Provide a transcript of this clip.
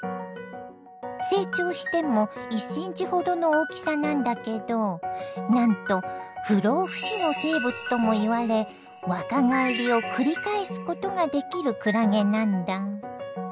成長しても１ｃｍほどの大きさなんだけどなんと不老不死の生物ともいわれ若返りを繰り返すことができるクラゲなんだ。